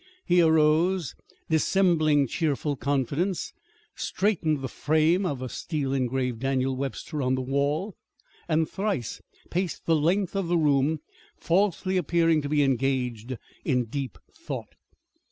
He arose, dissembling cheerful confidence, straightened the frame of a steel engraved Daniel Webster on the wall, and thrice paced the length of the room, falsely appearing to be engaged in deep thought.